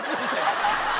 ハハハハ！